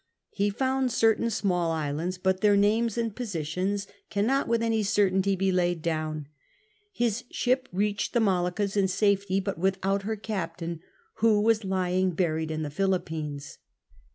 He found certain small islands, but their names and positions 46 CAPTAIN COON CHAP. cannot with any certainty be laid down. His ship reached the Moluccas in safety, but without her captain, who was lying buried in the Philippines.